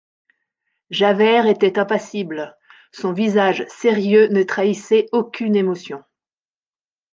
Javert était impassible ; son visage sérieux ne trahissait aucune émotion.